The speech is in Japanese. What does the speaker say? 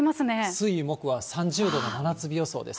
水、木は３０度、真夏日予想です。